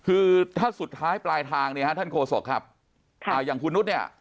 คือถ้าสุดท้ายปลายทางเนี่ยฮะท่านโฆษกครับอ่าอย่างคุณนุษย์เนี่ย